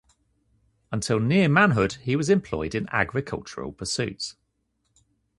Until near manhood he was employed in agricultural pursuits.